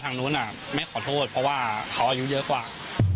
ทางนู้นแม่ขอโทษเพราะว่าเขาอายุเยอะกว่า